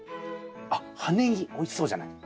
あっ葉ネギおいしそうじゃない。